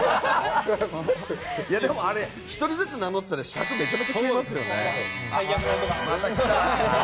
でも１人ずつ名乗ってたら尺めちゃくちゃ取りますよね。